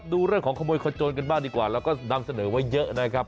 ดูเรื่องของขโมยขโจนกันบ้างดีกว่าเราก็นำเสนอไว้เยอะนะครับ